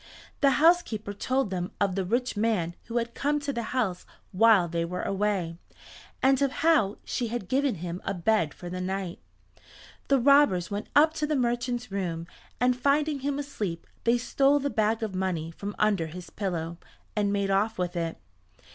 The housekeeper told them of the rich man who had come to the house while they were away, and of how she had given him a bed for the night. The robbers went up to the merchant's room and finding him asleep they stole the bag of money from under his pillow, and made off with it.